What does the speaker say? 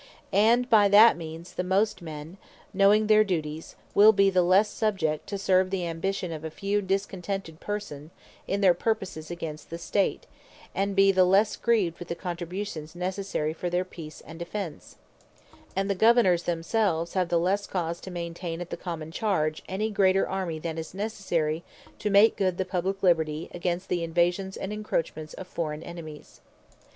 And by that means the most men, knowing their Duties, will be the less subject to serve the Ambition of a few discontented persons, in their purposes against the State; and be the lesse grieved with the Contributions necessary for their Peace, and Defence; and the Governours themselves have the lesse cause, to maintain at the Common charge any greater Army, than is necessary to make good the Publique Liberty, against the Invasions and Encroachments of forraign Enemies.